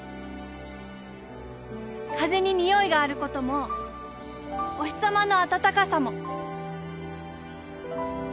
風ににおいがあることもお日さまのあたたかさも。